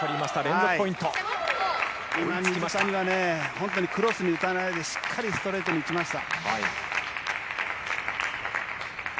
水谷がクロスに打たないでしっかりストレートに打ちました。